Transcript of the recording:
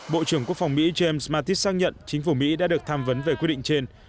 bộ trưởng quốc phòng mỹ james mattis xác nhận chính phủ mỹ đã được tham vấn về quyết định trên